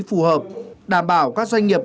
phù hợp đảm bảo các doanh nghiệp